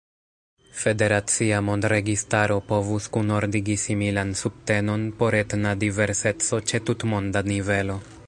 Federacia mondregistaro povus kunordigi similan subtenon por etna diverseco ĉe tutmonda nivelo.